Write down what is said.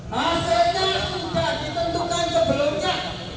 hasilnya sudah ditentukan sebelumnya